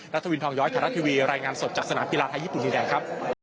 ทวินทองย้อยไทยรัฐทีวีรายงานสดจากสนามกีฬาไทยญี่ปุ่นดินแดงครับ